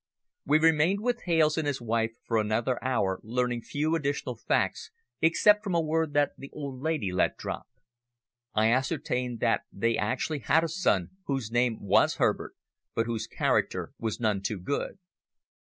We remained with Hales and his wife for another hour learning few additional facts except from a word that the old lady let drop. I ascertained that they actually had a son whose name was Herbert, but whose character was none too good.